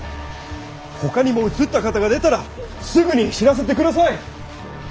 ほかにもうつった方が出たらすぐに知らせて下さい。